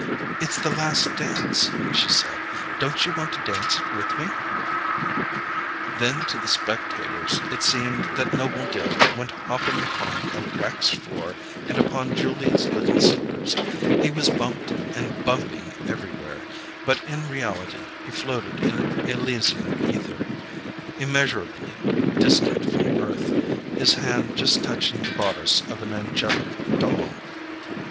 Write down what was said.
"It's the last dance," she said. "Don't you want to dance it with me?" Then to the spectators it seemed that Noble Dill went hopping upon a waxed floor and upon Julia's little slippers; he was bumped and bumping everywhere; but in reality he floated in Elysian ether, immeasurably distant from earth, his hand just touching the bodice of an angelic doll.